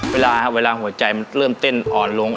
เวลาหัวใจเริ่มเต้นอ่อนลง